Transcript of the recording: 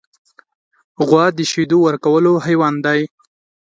غوا د شیدو ورکولو حیوان دی.